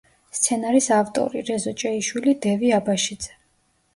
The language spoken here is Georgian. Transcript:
სცენარის ავტორი: რეზო ჭეიშვილი, დევი აბაშიძე.